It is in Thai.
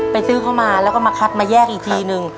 ซื้อเข้ามาแล้วก็มาคัดมาแยกอีกทีนึง